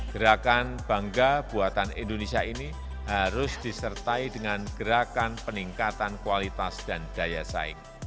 gerakan bangga buatan indonesia ini harus disertai dengan gerakan peningkatan kualitas dan daya saing